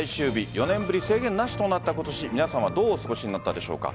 ４年ぶり制限なしとなった今年皆さんはどうお過ごしになったでしょうか。